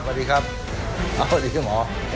สวัสดีครับหมอ